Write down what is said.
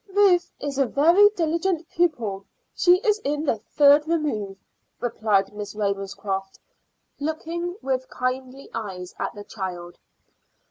"Ruth is a very diligent pupil. She is in the third remove," replied Miss Ravenscroft, looking with kindly eyes at the child.